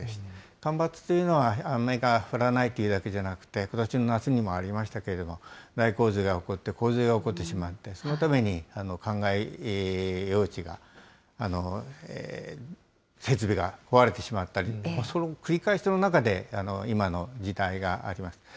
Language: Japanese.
干ばつというのは、雨が降らないというだけじゃなくて、ことしの夏にもありましたけれども、大洪水が起こって、洪水が起こってしまって、そのためにかんがい用地が、設備が壊れてしまったり、それを繰り返している中で、今の事態がありました。